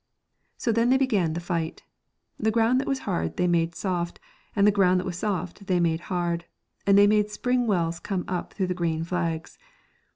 So then they began the fight. The ground that was hard they made soft, and the ground that was soft they made hard, and they made spring wells come up through the green flags.